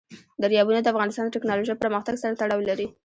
دریابونه د افغانستان د تکنالوژۍ پرمختګ سره تړاو لري.